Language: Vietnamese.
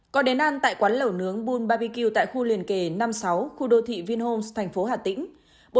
có đến ăn tại quán lẩu nướng bun bbq tại khu liền kề năm mươi sáu khu đô thị vinh homes thành phố hà tĩnh